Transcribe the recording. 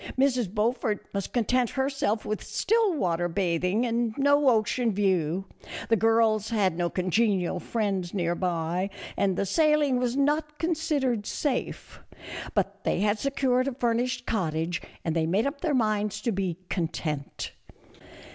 Mrs. Beaufort must content herself with 22O A FURNISHED COTTAGE BY THE SEA. still water bathing and no ocean view ; the girls had no congenial friends near by, and the sailing was not considered safe ; but they had secured a fur nished cottage, and they made up their minds to be content.